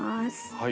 はい。